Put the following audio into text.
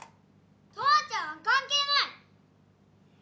父ちゃんは関係ない。